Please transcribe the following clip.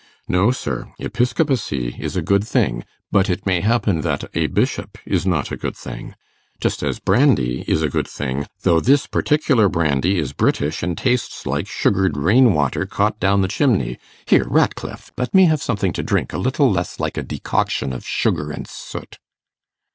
No, sir! Episcopacy is a good thing; but it may happen that a bishop is not a good thing. Just as brandy is a good thing, though this particular brandy is British, and tastes like sugared rain water caught down the chimney. Here, Ratcliffe, let me have something to drink, a little less like a decoction of sugar and soot.